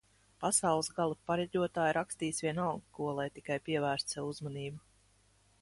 Pasaules gala pareģotāji rakstīs vienalga ko, lai tikai pievērstu sev uzmanību